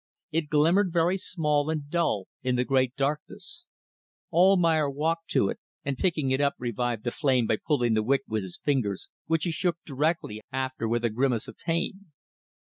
It glimmered very small and dull in the great darkness. Almayer walked to it, and picking it up revived the flame by pulling the wick with his fingers, which he shook directly after with a grimace of pain.